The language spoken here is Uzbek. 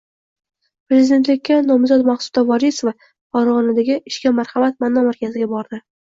Prezidentlikka nomzod Maqsuda Vorisova Farg‘onadagi “Ishga marhamat” monomarkaziga bordi